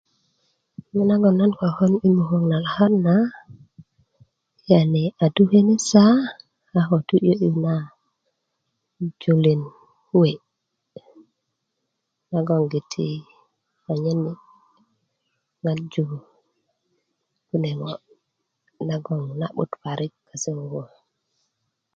ŋo nagoŋ na kokon i mukök na lakat na yani a tu kenisa a ko tu yi 'yö'yu na julin kuwe' logoŋgiti anyen ŋaraju kune' ŋo' nagoŋ na'but parik